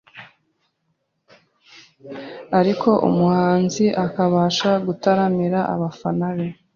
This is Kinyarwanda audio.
ariko umuhanzi akabasha gutaramira abafana be .